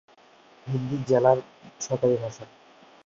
হিন্দি জেলার সরকারি ভাষা।